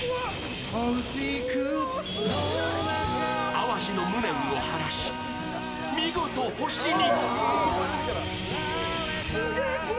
淡路の無念を晴らし、見事、星に。